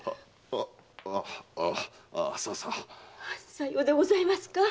さようでございますか？